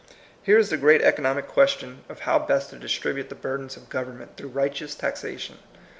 Here is the great economic question of THE MOTTO OF VICTORY. 181 how best to distribute the burdens of gov ernment through righteous taxation.